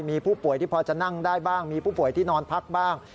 มีผู้ป่วยที่พอจะนั่งได้บ้างมีผู้ป่วยที่นอนพักบ้าง